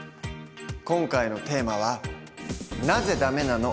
今回のテーマは「なぜダメなの？